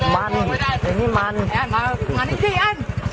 มันหนีมานี่ว่ะ